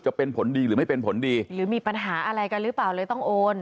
จะเป็นผลดีหรือไม่เป็นผลดีหรือมีปัญหาอะไรกันหรือป่าว๐๓๘๐๐๖๐๐๙๐๐๗๐๐ต้องโอน